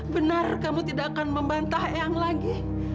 benar kamu tidak akan membantah yang lagi